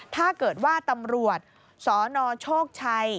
ถ้าเกิดว่าตำรวจสนโชคชัย